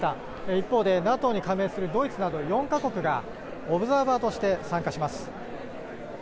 一方で、ＮＡＴＯに加盟するドイツなど４か国がオブザーバーとして参加します。